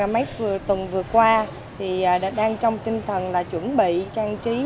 mấy tuần vừa qua đang trong tinh thần chuẩn bị trang trí